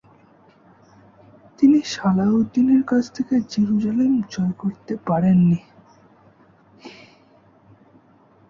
তিনি সালাউদ্দিনের কাছ থেকে জেরুজালেম জয় করতে পারেন নি।